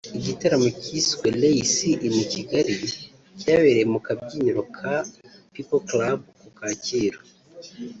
Igitaramo cyiswe ‘Ray C in Kigali’ cyabereye mu kabyiniro ka People Club ku Kacyiru